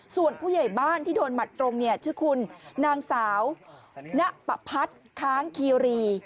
ส่วนผู้ใหญ่บ้านที่โดนหมัดตรงเนี่ยชื่อคุณนางสาวณปะพัฒน์ค้างคีรี